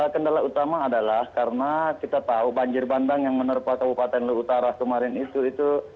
kendala utama adalah karena kita tahu banjir bandang yang menerpakan bupatan lututara kemarin itu